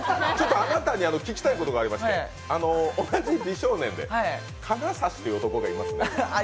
あなたに聞きたいことがありまして、同じ美少年で金指という男がいますね。